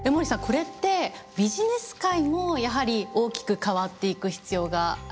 これってビジネス界もやはり大きく変わっていく必要がありますよね。